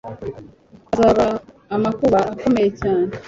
hazaba amakuba akomeye cyane